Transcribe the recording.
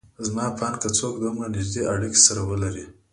زما په اند که څوک دومره نيږدې اړکې سره ولري